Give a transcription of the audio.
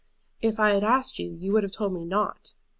"If I had asked you, you would have told me not."